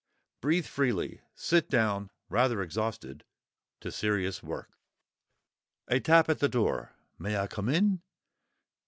Breathe freely, sit down—rather exhausted—to serious work. A tap at the door; "May I come in?"